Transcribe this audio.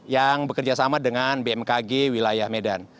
yang bekerjasama dengan bmkg wilayah medan